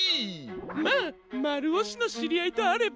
まあまるおしのしりあいとあれば。